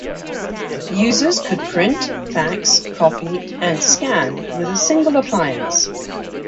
Users could print, fax, copy, and scan with a single appliance.